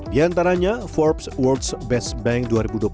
di antaranya forbes awards best bank dua ribu dua puluh tiga